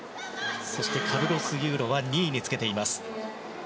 そしてカルロス・ユーロは２位につけています。